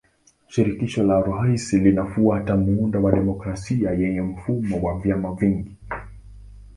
Shirikisho la Urusi linafuata muundo wa demokrasia yenye mfumo wa vyama vingi.